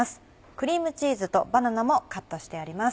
クリームチーズとバナナもカットしてあります。